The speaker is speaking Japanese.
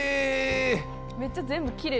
めっちゃ全部きれい。